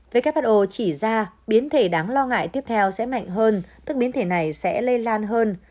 who chỉ ra biến thể đáng lo ngại tiếp theo sẽ mạnh hơn tức biến thể này sẽ lây lan hơn